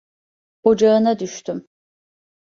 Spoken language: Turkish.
Ocağına düştüm!